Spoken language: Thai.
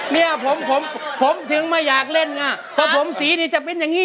เนี่ยผมผมถึงไม่อยากเล่นอ่ะเพราะผมสีดีจะเป็นอย่างนี้